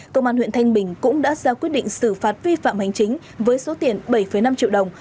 công an huyện thanh bình cũng đã ra quyết định xử phạt vi phạm hành chính với số tiền bảy năm triệu đồng